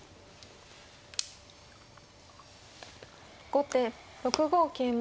後手６五桂馬。